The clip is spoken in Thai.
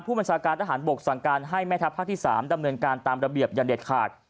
บัญชาการทหารบกสั่งการให้แม่ทัพภาคที่๓ดำเนินการตามระเบียบอย่างเด็ดขาด